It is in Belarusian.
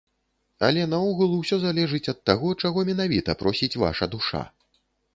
Але наогул, усё залежыць ад таго, чаго менавіта просіць ваша душа.